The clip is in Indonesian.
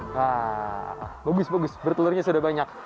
nah bagus bagus bertelurnya sudah banyak